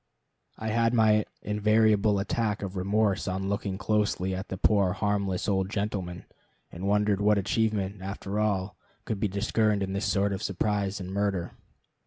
I had my invariable attack of remorse on looking closely at the poor harmless old gentleman, and wondered what achievement, after all, could be discerned in this sort of surprise and murder.